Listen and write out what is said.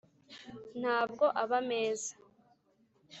ntabwo aba meza